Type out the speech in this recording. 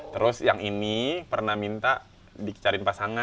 terus yang ini pernah minta dicariin pasangan